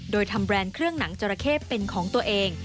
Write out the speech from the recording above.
โดยทำแบรนด์เครื่องหนังจราเข้เป็นของตัวเอง